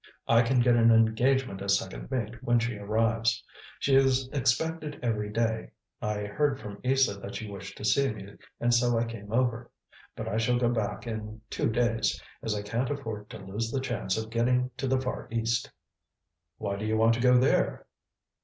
I can get an engagement as second mate when she arrives. She is expected every day. I heard from Isa that you wished to see me, and so I came over. But I shall go back in two days, as I can't afford to lose the chance of getting to the Far East." "Why do you want to go there?"